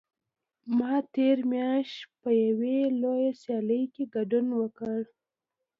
ما تېره میاشت په یوې لویه سیالۍ کې ګډون وکړ.